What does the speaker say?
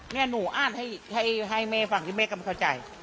เนี่ยหนูอ้านให้แม่ฝั่งที่แม่กลับเข้าใจ